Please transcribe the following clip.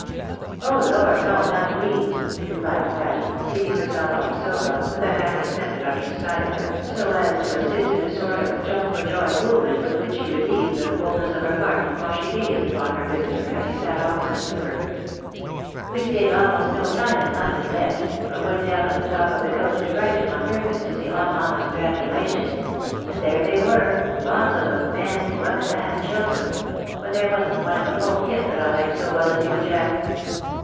" Oh lor, no ! not we," replied Patty, seating herself on the sofa, with a hand extended on each side of her, so as to assist in a sort of jump for joy movement with which she relieved the fulness of her heart, while she gazed upon her visitor, as he sat opposite to her. "We staid almost no time in London then, but went down on the top of the coach to Brighton on purpose to see all mamma's grand relations ; and there they were, lots of 'em, men, women, and children ; but there wasn't one of the whole kit that I liked so well as you. Jack."